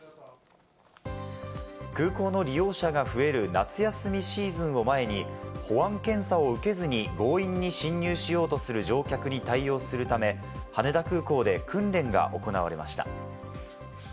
空港の利用者が増える夏休みシーズンを前に保安検査を受けずに強引に侵入しようとする乗客に対応するため、羽田空港で訓練が行われました。